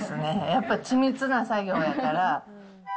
やっぱ緻密な作業やから。